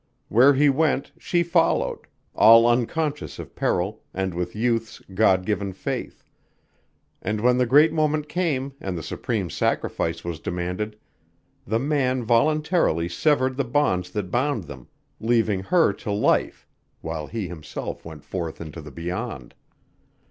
Where he went she followed, all unconscious of peril and with youth's God given faith; and when the great moment came and the supreme sacrifice was demanded, the man voluntarily severed the bonds that bound them, leaving her to life while he himself went forth into the Beyond.